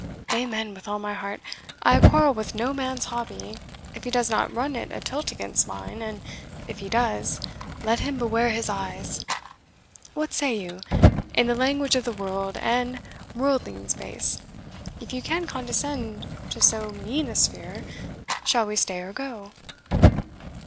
Amen with all my heart I quarrel with no man's hobby, if he does not run it a tilt against mine, and if he does let him beware his eyes. What say you? in the language of the world and worldlings base, if you can condescend to so mean a sphere, shall we stay or go?"